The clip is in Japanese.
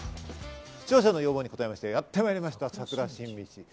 視聴者の要望に応えまして、やって参りました。